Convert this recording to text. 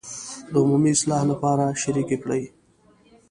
د عمومي اصلاح لپاره شریکې کړي.